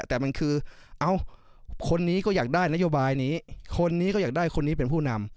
แต่มันคือเอ้าคนนี้ก็อยากได้นโยบายนี้คนนี้ก็อยากได้คนนี้เป็นผู้นำ